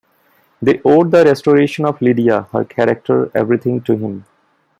They owed the restoration of Lydia, her character, everything, to him.